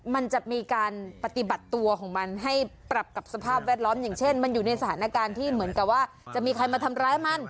มันจะมีการปฏิบัติตัวของมันให้ปรับกับสภาพแวดล้อมอย่างเช่นมันอยู่ในสถานการณ์ที่เหมือนกับว่าจะมีใครมาทำร้ายมัน